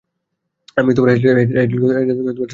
আমি হ্যাজেলকে সারপ্রাইজ দিতে যাচ্ছি।